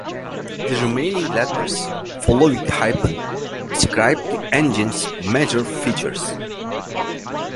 The remaining letters, following the hyphen, describe the engine's major features.